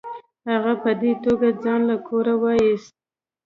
هغه په دې توګه ځان له کوره وایست.